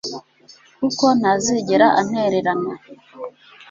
kuko ntazigera antererana